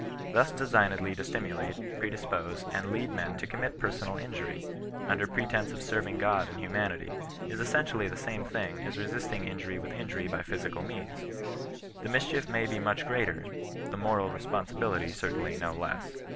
Thus designedly to stimulate, predispose and lead men to commit personal injury, under pretence of serving God and humanity, is essentially the same thing as directly resisting injury with injury by physical means. The mischief may be much greater, the moral responsibility certainly no less.